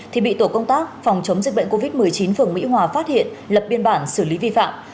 thì bị tổ công tác phòng chống dịch bệnh covid một mươi chín phường mỹ hòa phát hiện lập biên bản xử lý vi phạm